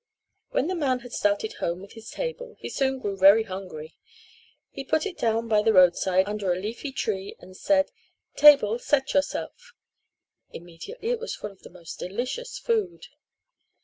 When the man had started home with his table he soon grew hungry. He put it down by the roadside under a leafy tree and said, "Table, set yourself." Immediately it was full of the most delicious food.